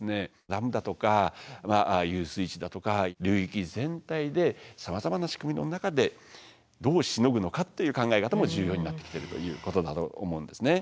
ダムだとか遊水池だとか流域全体でさまざまな仕組みの中でどうしのぐのかっていう考え方も重要になってきてるということだと思うんですね。